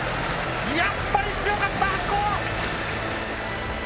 やっぱり強かった白鵬！